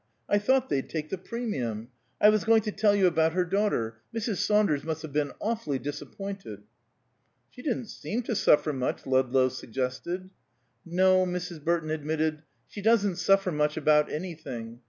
I thought they'd take the premium. I was going to tell you about her daughter. Mrs. Saunders must have been awfully disappointed." "She didn't seem to suffer much," Ludlow suggested. "No," Mrs. Burton admitted, "she doesn't suffer much about anything.